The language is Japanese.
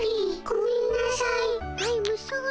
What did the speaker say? ごめんなさい。